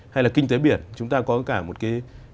hay là kinh tế biển chúng ta có cả một cái